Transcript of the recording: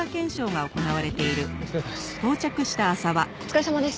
お疲れさまです。